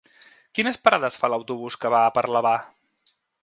Quines parades fa l'autobús que va a Parlavà?